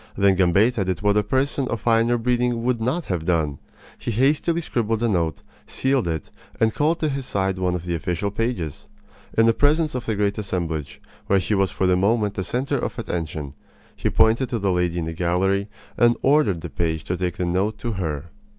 Then Gambetta did what a person of finer breeding would not have done. He hastily scribbled a note, sealed it, and called to his side one of the official pages. In the presence of the great assemblage, where he was for the moment the center of attention, he pointed to the lady in the gallery and ordered the page to take the note to her.